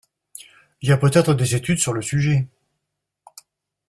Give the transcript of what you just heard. Y a peut-être des études sur le sujet.